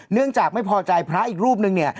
เนื่องจากไม่พอใจพระอีกรูปนึงเนี่ย